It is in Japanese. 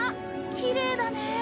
きれいだね。